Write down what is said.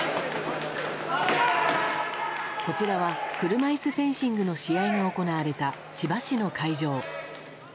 こちらは車いすフェンシングの試合が行われた千葉市の会場。